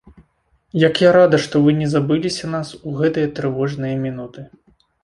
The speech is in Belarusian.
Як я рада, што вы не забыліся нас у гэтыя трывожныя мінуты.